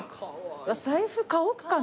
財布買おっかな。